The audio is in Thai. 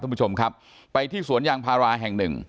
คุณผู้ชมครับไปที่สวนยางพาราแห่งหนึ่ง